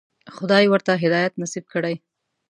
خدای ورته هدایت نصیب کړی.